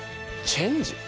チェンジ？